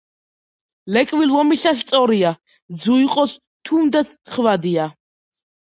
ლეკვი ლომისა სწორია, ძუ იყოს თუნდაც ხვადია.